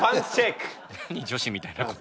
何女子みたいな事。